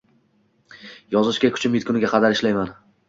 Yozishga kuchim yetguniga qadar ishlayman